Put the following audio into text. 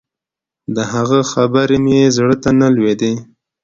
د هغه خبرې مې زړه ته نه لوېدې.